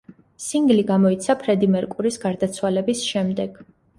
სინგლი გამოიცა ფრედი მერკურის გარდაცვალების შემდეგ.